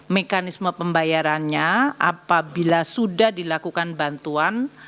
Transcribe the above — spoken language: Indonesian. mekanisme pembayarannya apabila sudah dilakukan bantuan